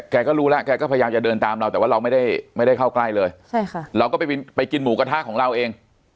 แกก็รู้แล้วแกก็พยายามจะเดินตามเราแต่ว่าเราไม่ได้เข้าใกล้เลยใช่ค่ะเราก็ไปกินหมูกระทะของเราเอง